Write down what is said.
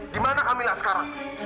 dimana kamila sekarang